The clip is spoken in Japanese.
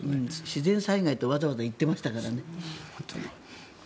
自然災害とわざわざ言ってましたからね。